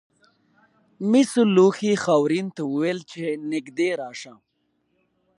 مسو لوښي خاورین ته وویل چې نږدې راشه.